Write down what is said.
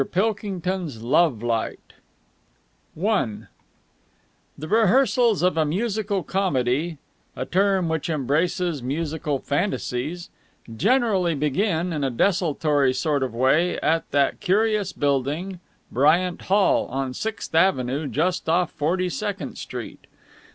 PILKINGTON'S LOVE LIGHT I The rehearsals of a musical comedy a term which embraces "musical fantasies" generally begin in a desultory sort of way at that curious building, Bryant Hall, on Sixth Avenue just off Forty second Street.